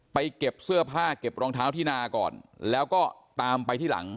เก็บเสื้อผ้าเก็บรองเท้าที่นาก่อนแล้วก็ตามไปที่หลัง